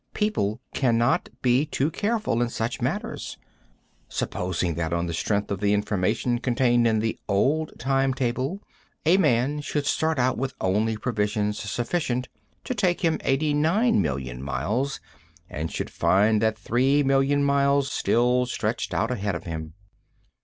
People cannot be too careful in such matters. Supposing that, on the strength of the information contained in the old time table, a man should start out with only provisions sufficient to take him 89,000,000 miles and should then find that 3,0000,000 miles still stretched out ahead of him.